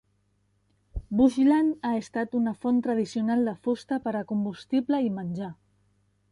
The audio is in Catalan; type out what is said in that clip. Bushland ha estat una font tradicional de fusta per a combustible i menjar.